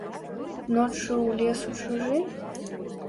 Ноччу ў лес у чужы?